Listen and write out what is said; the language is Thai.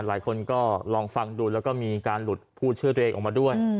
หลายคนก็ลองฟังดูแล้วก็มีการหลุดพูดชื่อตัวเองออกมาด้วย